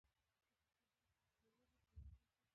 خو کېدای شي ځینې یې په پلورلو بریالي نشي